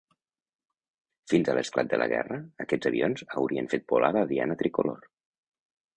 Fins a l'esclat de la guerra, aquests avions haurien fet volar la diana tricolor.